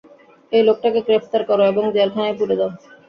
এই লোকটাকে গ্রেফতার কর, এবং জেলখানায় পুরে দাও।